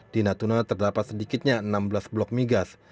di natuna terdapat sedikitnya enam belas blok migas